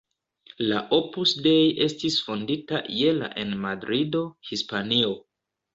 La Opus Dei estis fondita je la en Madrido, Hispanio.